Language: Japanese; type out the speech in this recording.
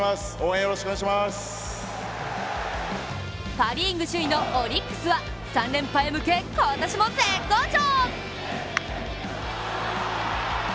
パ・リーグ首位のオリックスは３連覇へ向け今年も絶好調！